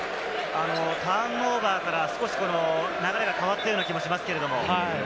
ターンオーバーから少し流れが変わったような気もしますけれども。